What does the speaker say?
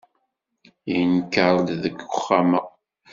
Yenker-d deg uxxam-a.